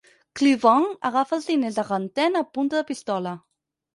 Clubin agafa els diners de Rantaine a punta de pistola.